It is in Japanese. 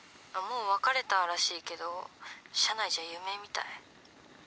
もう別れたらしいけど社内じゃ有名みたい。